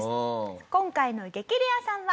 今回の激レアさんは。